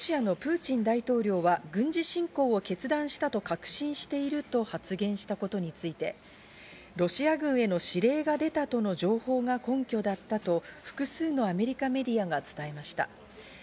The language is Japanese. アメリカのバイデン大統領がロシアのプーチン大統領は軍事侵攻を決断したと確信しているとの発言したことについてロシア軍への指令が出たとの情報が根拠だったと複数のアメリカメディアが伝えました。